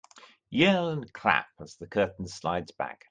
Yell and clap as the curtain slides back.